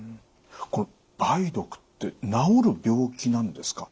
この梅毒って治る病気なんですか？